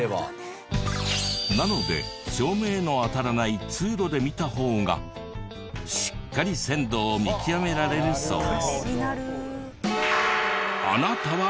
なので照明の当たらない通路で見た方がしっかり鮮度を見極められるそうです。